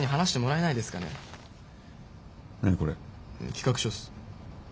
企画書っす。